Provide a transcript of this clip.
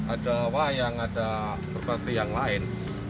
ada wayang ada berbagai yang lain